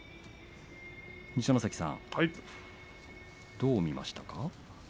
二所ノ関さん、どう見ましたか？